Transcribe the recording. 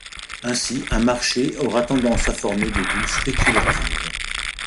Ainsi un marché aura tendance à former des bulles spéculatives.